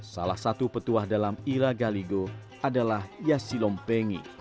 salah satu petuah dalam ira galigo adalah yassi lompengi